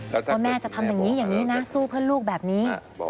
คุณแม่จะทำอย่างนี้นินะสู้เพิ่มลูกแบบนี้